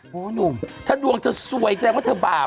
โหหนุ่มถ้าดวงจะสวยกินแดบว่าเธอบาบ